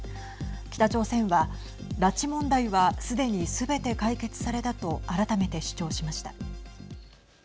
北朝鮮は拉致問題はすでに、すべて解決されたと改めて主張しました。